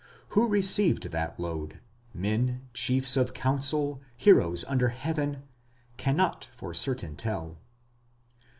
Who received that load, men, chiefs of council, heroes under heaven, cannot for certain tell.